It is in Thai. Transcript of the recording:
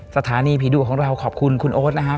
สถานีผีดุของเราขอบคุณคุณโอ๊ตนะครับ